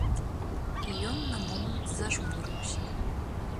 І ён на момант зажмурыўся.